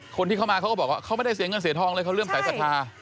คนที่เข้ามาเขาก็บอกว่าเขาไม่ได้เสียเงินเสียทองเลยเขาเริ่มสายศรัทธา